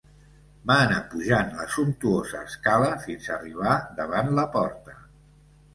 Va anar pujant la sumptuosa escala, fins arribar davant la porta.